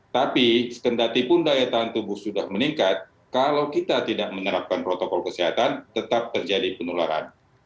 tapi sekendatipun daya tahan tubuh sudah meningkat kalau kita tidak menerapkan protokol kesehatan tetap terjadi penularan